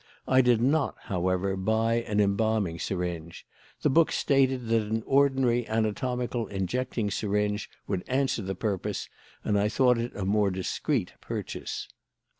I did not, however, buy an embalming syringe: the book stated that an ordinary anatomical injecting syringe would answer the purpose, and I thought it a more discreet purchase.